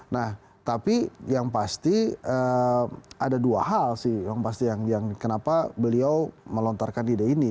nah tapi yang pasti ada dua hal sih yang pasti yang kenapa beliau melontarkan ide ini